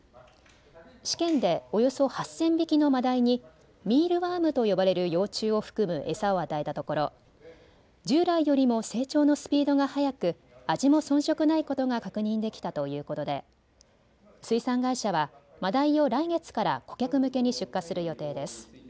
試験でおよそ８０００匹のマダイにミールワームと呼ばれる幼虫を含む餌を与えたところ従来よりも成長のスピードが速く味も遜色ないことが確認できたということで水産会社はマダイを来月から顧客向けに出荷する予定です。